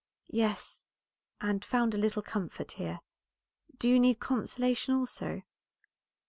"Yes, and found a little comfort here. Do you need consolation also?"